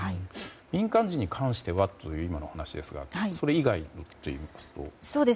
民間人に関してということですがそれ以外といいますと。